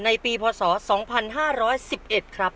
ในปีพศ๒๕๑๑ครับ